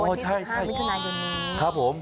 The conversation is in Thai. วันที่๑๕มิถุนายนครับผม